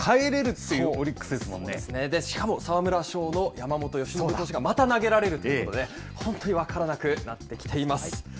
そうですね、しかも沢村賞の山本由伸投手がまた投げられるということで、本当に分からなくなってきています。